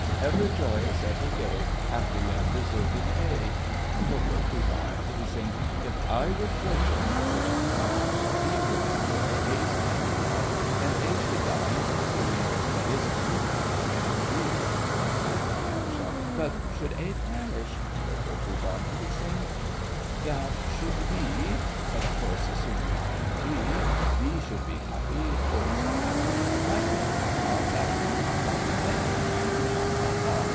Ever joyous, ever gay, Happy, undeserving A! KO., POOH., and PITTI. If I were Fortune—which I'm not— B should enjoy A's happy lot, And A should die in miserie— That is, assuming I am B. MIK. and KAT. But should A perish? KO., POOH., and PITTI. That should be (Of course, assuming I am B). B should be happy! Oh, so happy! Laughing, Ha! ha! Chaffing, Ha! ha! Nectar quaffing, Ha! ha! ha!